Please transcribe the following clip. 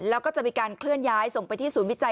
แล้วก็จะมีการเคลื่อนย้ายส่งไปที่ศูนย์วิจัย